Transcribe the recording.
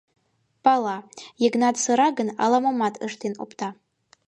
Пала: Йыгнат сыра гын, ала-момат ыштен опта.